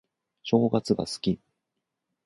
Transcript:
正月が好き